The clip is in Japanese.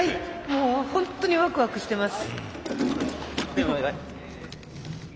もうホントにワクワクしてます。